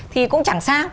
thì cũng chẳng sao